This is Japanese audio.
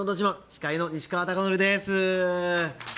司会の西川貴教です。